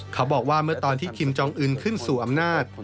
เขาบอกว่าเมื่อตอนที่คิมจองอื่นขึ้นสู่อำนาจ